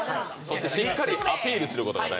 しっかりアピールすることか大事。